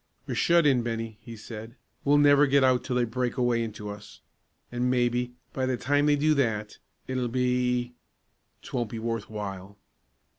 "We're shut in, Bennie," he said. "We'll never get out till they break a way into us, and, maybe, by the time they do that, it'll be 'twon't be worth while."